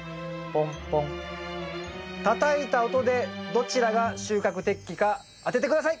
たたいた音でどちらが収穫適期か当てて下さい！